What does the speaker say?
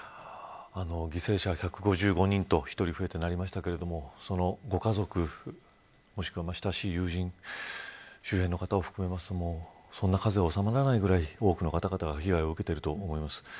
犠牲者１５５人と１人が増えましたがそのご家族もしくは親しい友人周囲の方を含めるとそんな数では収まらないぐらい多くの方が被害を受けていると思います。